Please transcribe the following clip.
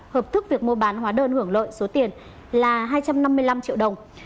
hợp thức việc mua bán hóa đơn hưởng lợi số tiền là hai trăm năm mươi năm triệu đồng